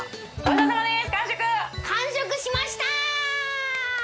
完食しました！